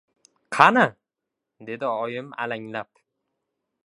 — Qani? — dedi oyim alanglab.